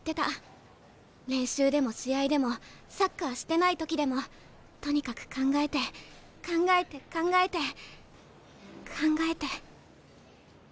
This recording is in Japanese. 練習でも試合でもサッカーしてない時でもとにかく考えて考えて考えて考えて。